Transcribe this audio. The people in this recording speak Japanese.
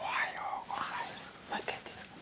もう１回やっていいっすか？